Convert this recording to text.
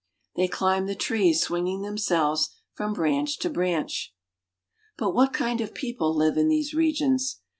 They climb the fctrees, swinging them l Belves from branch to I branch. But what kind of peo Kple live in these regions